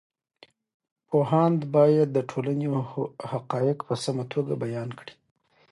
پوهاند باید د ټولنې حقایق په سمه توګه بیان کړي.